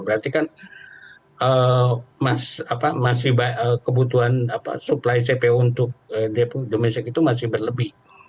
berarti kan kebutuhan suplai cpo untuk domestik itu masih berlebih